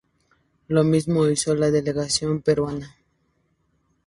Lo mismo hizo la delegación peruana.